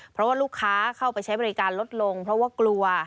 เพราะว่าลูกค้าเข้าไปใช้บริการลดลงเพราะว่ากลัว